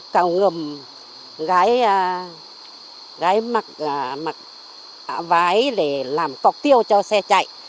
cầu ngâm gái mặc vái để làm cọc tiêu cho xe chạy